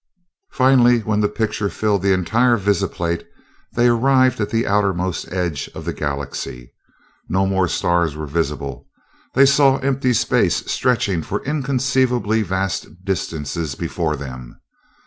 Finally, when the picture filled the entire visiplate, they arrived at the outermost edge of the galaxy. No more stars were visible: they saw empty space stretching for inconceivably vast distances before them.